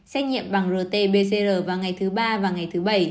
xét nghiệm bằng rt pcr vào ngày thứ ba và ngày thứ bảy